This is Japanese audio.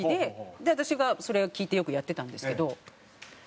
で私がそれを聞いてよくやってたんですけど。